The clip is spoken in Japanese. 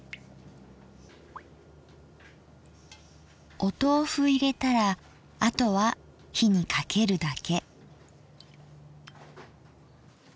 おとうふ入れたらあとは火にかけるだけ。